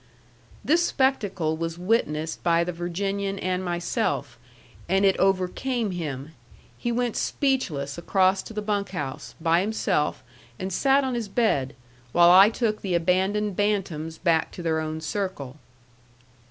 This spectacle was witnessed by the Virginian and myself, and it overcame him. He went speechless across to the bunk house, by himself, and sat on his bed, while I took the abandoned bantams back to their own circle.